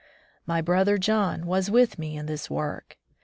My brother John was with me in this work.